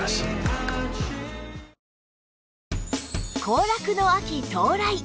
行楽の秋到来！